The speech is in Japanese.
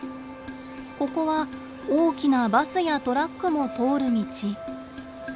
ここは大きなバスやトラックも通る道。